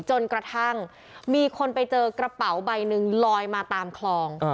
จนกระทั่งมีคนไปเจอกระเป๋าใบหนึ่งลอยมาตามคลอง